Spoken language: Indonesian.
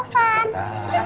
jadi sama van